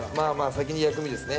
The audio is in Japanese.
先に薬味ですね